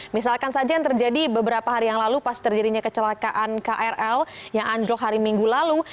misalkan saja yang terjadi beberapa hari yang lalu pas terjadinya kecelakaan krl yang anjlok hari minggu lalu